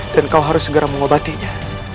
dan kau harus segera mengobatinya